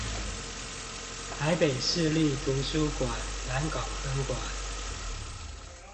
臺北市立圖書館南港分館